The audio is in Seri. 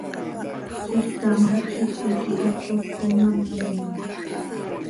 Zixcám quih xepe quih ipot com ano moom.